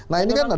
nah ini kan ada